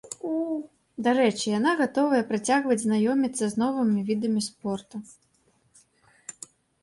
Дарэчы, яна гатовая працягваць знаёміцца з новымі відамі спорту.